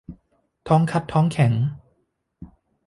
ท้องคัดท้องแข็ง